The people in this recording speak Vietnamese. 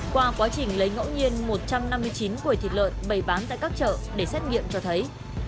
qua quá trình lấy ngẫu nhiên một trăm năm mươi chín quầy thịt lợn bày bán tại các chợ để xét nghiệm cho thấy